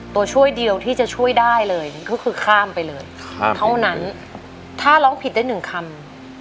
ตัวช่วยเดียวที่จะช่วยได้เลยก็คือข้ามไปเลยเท่านั้นถ้าร้องผิดได้หนึ่งคำ